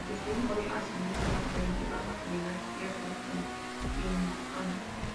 Su fin fue asimismo el de la dinastía constantiniana.